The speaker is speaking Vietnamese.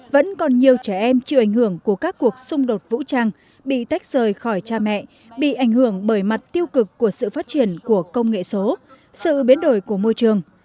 vẫn còn nhiều trẻ em chịu ảnh hưởng của các cuộc xung đột vũ trang bị tách rời khỏi cha mẹ bị ảnh hưởng bởi mặt tiêu cực của sự phát triển của công nghệ số sự biến đổi của môi trường